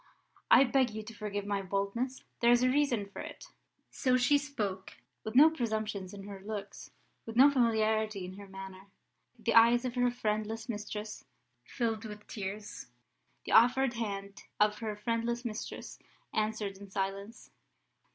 I beg you to forgive my boldness; there is a reason for it." So she spoke, with no presumption in her looks, with no familiarity in her manner. The eyes of her friendless mistress filled with tears, the offered hand of her friendless mistress answered in silence.